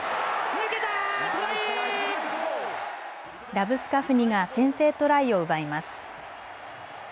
ラブスカフニが先制トライを奪います。